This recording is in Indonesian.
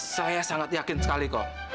saya sangat yakin sekali kok